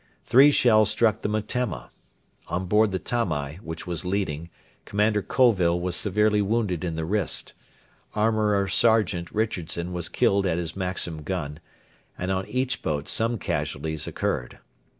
Three shells struck the Metemma. On board the Tamai, which was leading, Commander Colville was severely wounded in the wrist; Armourer Sergeant Richardson was killed at his Maxim gun, and on each boat some casualties occurred.